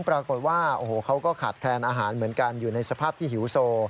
ปรากฏว่าโอ้โหเขาก็ขาดแคลนอาหารเหมือนกันอยู่ในสภาพที่หิวโซ